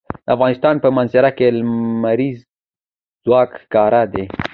د افغانستان په منظره کې لمریز ځواک ښکاره ده.